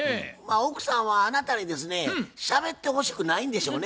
奥さんはあなたにですねしゃべってほしくないんでしょうね